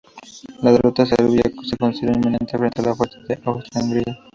La derrota de Serbia se consideró inminente frente a la fuerza de Austria-Hungría.